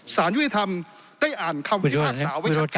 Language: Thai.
สารยุทธธรรมได้อ่านความวิภาคศาไว้ชัดเจนครับ